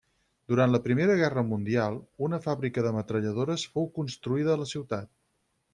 Durant la Primera Guerra Mundial, una fàbrica de metralladores fou construïda a la ciutat.